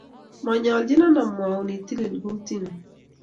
monyolchon omwoun itilil kotng'ung